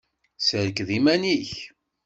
Serked iman-ik!